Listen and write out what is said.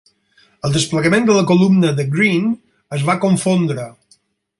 El desplegament de la columna de Greene es va confondre.